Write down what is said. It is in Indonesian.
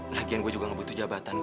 lagian gue juga gak butuh jabatan